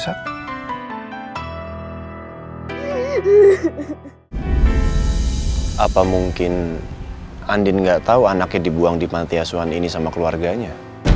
apa mungkin andin gak tau anaknya dibuang di pantiasuan ini sama keluarganya